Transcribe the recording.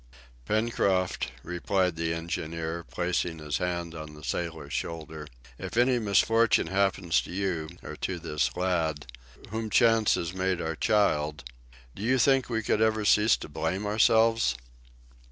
"Pencroft," replied the engineer, placing his hand on the sailor's shoulder, "if any misfortune happens to you, or to this lad, whom chance has made our child, do you think we could ever cease to blame ourselves?"